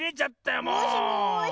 もしもし。